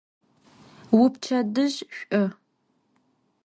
Vuipçedıj ş'u!